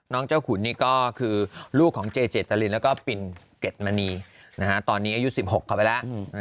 น้องเจ้าขุนนี่ก็คือลูกของเจเจตะลินแล้วก็ปรินเก็ตมณีตอนนี้อายุสิบหกเข้าไปละ